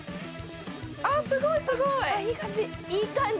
すごいすごい！いい感じ。